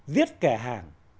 viết kẻ hàng